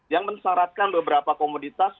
yang mensyaratkan beberapa komoditas